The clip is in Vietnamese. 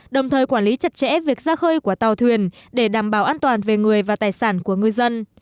đồng thời quản lý chặt chẽ việc ra khơi của tàu thuyền để đảm bảo an toàn về người và tài sản của ngư dân